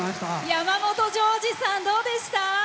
山本譲二さんどうでした？